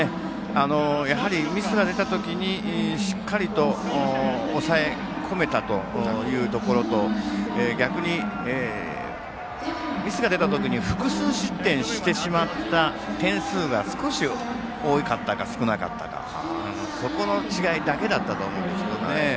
ミスが出た時にしっかりと抑え込めたところと逆に、ミスが出た時に複数失点してしまった点数が少し多かったか少なかったかそこの違いだけだったと思うんですけどね。